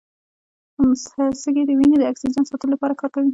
سږي د وینې د اکسیجن ساتلو لپاره کار کوي.